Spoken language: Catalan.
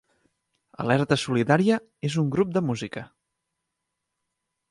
Alerta Solidària és un grup de música